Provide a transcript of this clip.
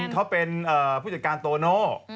เขาเป็นฝ่ายจัดการโตโน